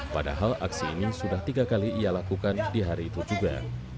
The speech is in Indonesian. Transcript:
padahal aksi ini sudah tiga kali ia lakukan di hari itu juga